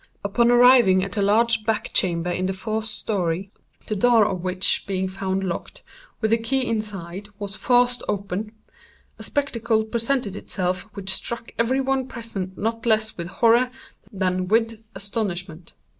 Upon arriving at a large back chamber in the fourth story, (the door of which, being found locked, with the key inside, was forced open,) a spectacle presented itself which struck every one present not less with horror than with astonishment.